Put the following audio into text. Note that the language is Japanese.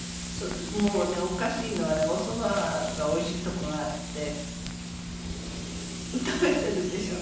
もうねおかしいのはねおそばがおいしいとこがあって食べてるでしょ？